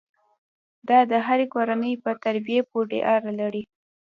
دا د هرې کورنۍ په تربیې پورې اړه لري.